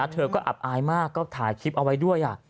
เธอก็อับอายมากก็ถ่ายคลิปเอาไว้ด้วย